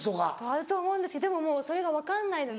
あると思うんですけどでももうそれが分かんないので。